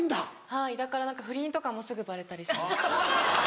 はいだから何か不倫とかもすぐバレたりします。